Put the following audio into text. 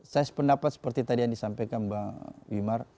saya sependapat seperti tadi yang disampaikan mbak wimar